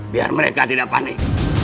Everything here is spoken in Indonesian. biar mereka tidak panik